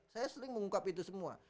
saya sering mengungkap itu semua